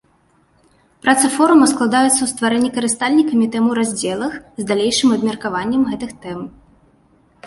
Праца форума складаецца ў стварэнні карыстальнікамі тэм у раздзелах з далейшым абмеркаваннем гэтых тэм.